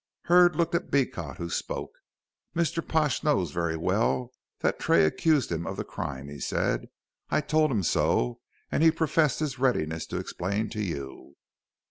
Hurd looked at Beecot who spoke. "Mr. Pash knows very well that Tray accuses him of the crime," he said. "I told him so, and he professed his readiness to explain to you."